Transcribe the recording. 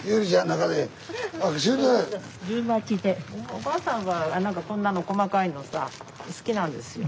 おかあさんはこんなの細かいのさ好きなんですよ。